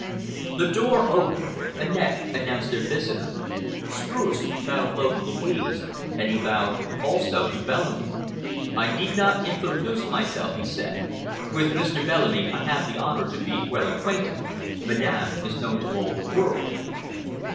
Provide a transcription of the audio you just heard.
The door opened. Annette announced their visitor. Streuss bowed low to Louise—he bowed, also, to Bellamy. "I need not introduce myself," he said. "With Mr. Bellamy I have the honor to be well acquainted. Madame is known to all the world."